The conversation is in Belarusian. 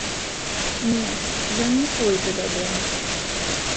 Не, ён не пойдзе дадому.